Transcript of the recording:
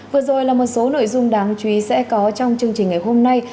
vừa rồi là một số nội dung đáng chú ý sẽ có trong chương trình ngày hôm nay